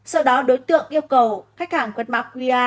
sau đó đối tượng yêu cầu khách hàng quét mạc qr